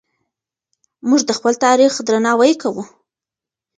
موږ د خپل تاریخ درناوی کوو.